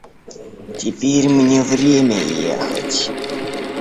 Теперь мне время ехать.